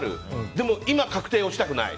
でも今、確定したくない。